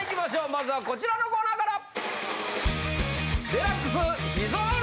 まずはこちらのコーナーから！